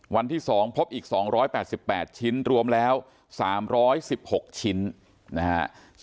วันที่สองพบอีกสองร้อยแปดสิบแปดชิ้นรวมแล้วสามร้อยสิบหกชิ้นนะฮะ